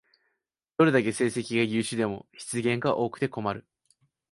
どれだけ成績が優秀でも失言が多くて困る